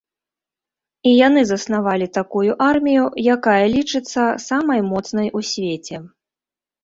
І яны заснавалі такую армію, якая лічыцца самай моцнай у свеце.